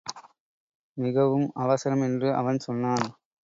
மிகவும் அவசரம் என்று அவன் சொன்னான்.